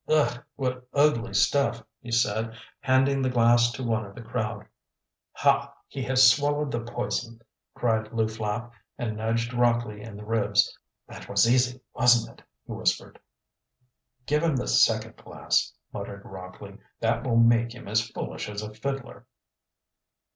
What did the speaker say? "Ugh! what ugly stuff," he said, handing the glass to one of the crowd. "Ha! he has swallowed the poison!" cried Lew Flapp, and nudged Rockley in the ribs. "That was easy, wasn't it?" he whispered. "Give him the second glass," muttered Rockley. "That will make him as foolish as a fiddler."